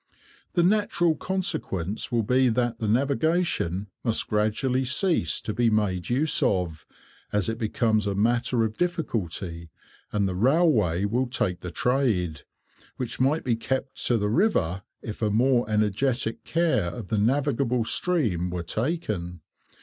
The natural consequence will be that the navigation must gradually cease to be made use of, as it becomes a matter of difficulty, and the railway will take the trade, which might be kept to the river if a more energetic care of the navigable stream were taken.